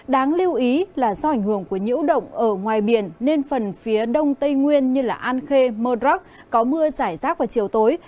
đáng lưu ý là do ảnh hưởng của nhiễu động ở ngoài biển nên phần phía đông tây nguyên như an khê mơ đắc có mưa giải rác vào chiều tối